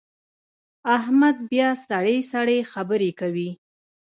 احمد بیا سړې سړې خبرې کوي.